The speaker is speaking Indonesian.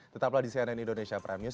tetaplah di cnn indonesia prime news